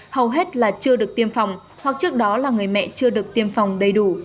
hầu hết là chưa được tiêm phòng hoặc trước đó là người mẹ chưa được tiêm phòng đầy đủ